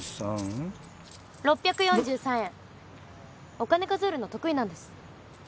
お金数えるの得意なんです。